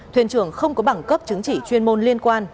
thuyền trưởng không có bảng cấp chứng chỉ chuyên môn liên quan